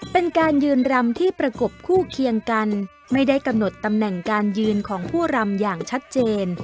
เป็นการยืนรำที่ประกบคู่เคียงกันไม่ได้กำหนดตำแหน่งการยืนของผู้รำอย่างชัดเจน